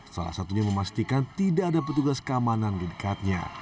salah satunya memastikan tidak ada petugas keamanan di dekatnya